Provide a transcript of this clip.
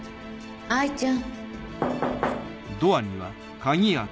藍ちゃん。